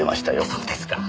そうですか。